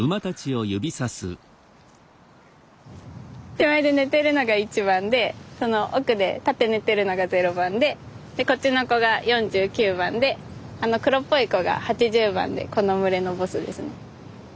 手前で寝てるのが１番でその奥で立って寝てるのが０番ででこっちの子が４９番であの黒っぽい子が８０番でこの群れのボスですね。